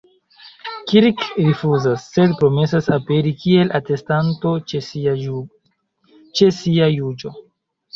Kirk rifuzas, sed promesas aperi kiel atestanto ĉe sia juĝo.